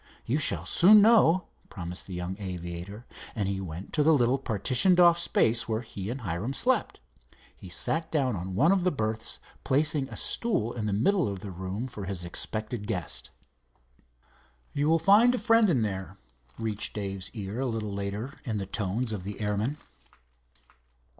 "You shall soon know," promised the young aviator, and he went to the little partitioned off space where he and Hiram slept. He sat down on one of the berths, placing a stool in the middle of the room for his expected guest. "You will find a friend in there," reached Dave's ear, a little later, in the tones of the airman.